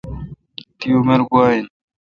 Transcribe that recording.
تی عمر گوا این۔